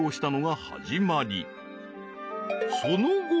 ［その後］